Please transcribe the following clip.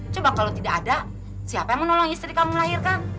coba kalau tidak ada siapa yang menolong istri kamu melahirkan